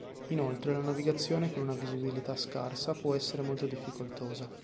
Inoltre la navigazione con una visibilità scarsa può essere molto difficoltosa.